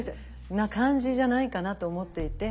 な感じじゃないかなと思っていて。